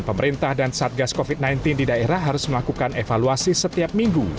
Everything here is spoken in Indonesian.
pemerintah dan satgas covid sembilan belas di daerah harus melakukan evaluasi setiap minggu